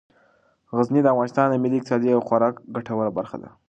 غزني د افغانستان د ملي اقتصاد یوه خورا ګټوره برخه ده.